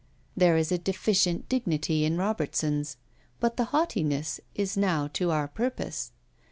There is a deficient dignity in Robertson's; but the haughtiness is now to our purpose.